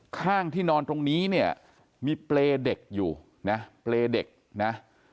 ข้างที่นอนตรงนี้เนี่ยมีเปรย์เด็กอยู่นะเปรย์เด็กนะ